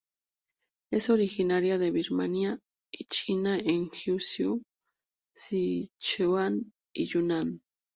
Es originaria de Birmania y China en Guizhou, Sichuan y Yunnan.